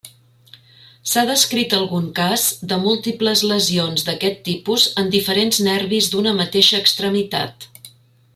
S'ha descrit algun cas de múltiples lesions d'aquest tipus en diferents nervis d'una mateixa extremitat.